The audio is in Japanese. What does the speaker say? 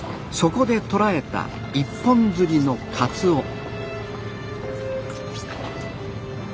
そこで捕らえた一本釣りのカツオ。